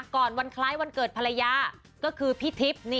วันคล้ายวันเกิดภรรยาก็คือพี่ทิพย์